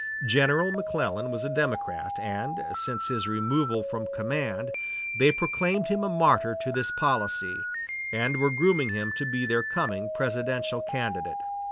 General McClellan was a Democrat, and, since his removal from command, they proclaimed him a martyr to this policy, and were grooming him to be their coming presidential candidate.